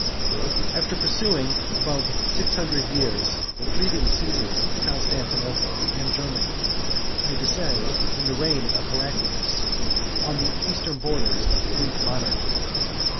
After pursuing above six hundred years the fleeting Caesars of Constantinople and Germany, I now descend, in the reign of Heraclius, on the eastern borders of the Greek monarchy.